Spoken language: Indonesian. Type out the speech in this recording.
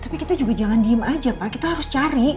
tapi kita juga jangan diem aja pak kita harus cari